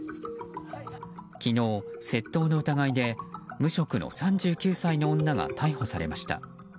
昨日、窃盗の疑いで、無職の３９歳の女が逮捕されました。